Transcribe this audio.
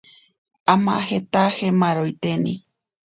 Amajetaje maaroiteni.